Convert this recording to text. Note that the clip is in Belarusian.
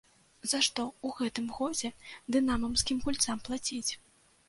За што ў гэтым годзе дынамаўскім гульцам плаціць?